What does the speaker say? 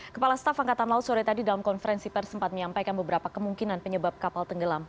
kepala staf angkatan laut sore tadi dalam konferensi pers sempat menyampaikan beberapa kemungkinan penyebab kapal tenggelam